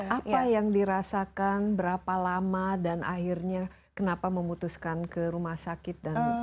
apa yang dirasakan berapa lama dan akhirnya kenapa memutuskan ke rumah sakit dan